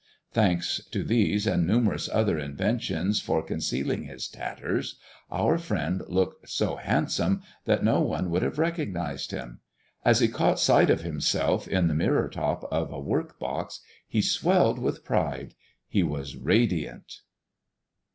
Thanks to these and numerous other inventions for concealing his tatters, our friend looked so handsome that no one would have recognized him. As he caught sight of himself in the mirror top of a work box, he swelled with pride. He was radiant.